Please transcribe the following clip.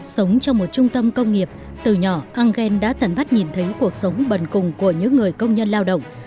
sống trong một trung tâm công nghiệp từ nhỏ engel đã tấn bắt nhìn thấy cuộc sống bần cùng của những người công nhân lao động